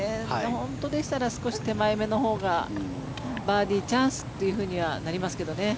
本当でしたら少し手前目のほうがバーディーチャンスとはなりますがね。